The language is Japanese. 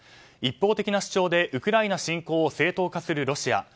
一方的な主張でウクライナ侵攻を正当化するロシア。